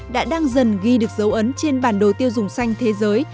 đã đang dần ghi được dấu ấn trên bản đồ tiêu dùng xanh thế giới